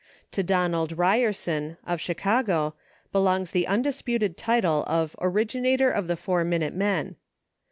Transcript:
To Donald Ryerson, of Chicago, belongs the un disputed title of Originator of the Four Minute Men.